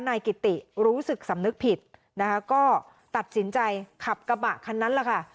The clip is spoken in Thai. นายกิติรู้สึกสำนึกผิดนะคะก็ตัดสินใจขับกระบะคันนั้นแหละค่ะ